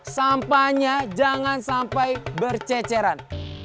sampahnya jangan sampai berceceran